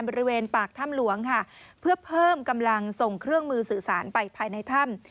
บริเวณปากถ้ำหลวงค่ะเพื่อเพิ่มกำลังส่งเครื่องมือสื่อสารไปภายในถ้ำ